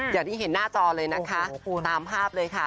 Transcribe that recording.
อย่างที่เห็นหน้าจอเลยนะคะตามภาพเลยค่ะ